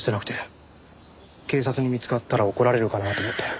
警察に見つかったら怒られるかなと思って。